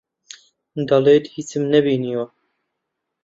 دەڵێت هیچم نەبینیوە.